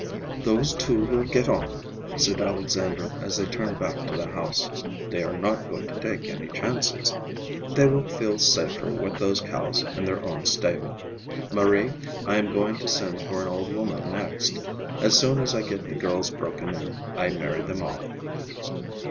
"Those two will get on," said Alexandra as they turned back to the house. "They are not going to take any chances. They will feel safer with those cows in their own stable. Marie, I am going to send for an old woman next. As soon as I get the girls broken in, I marry them off."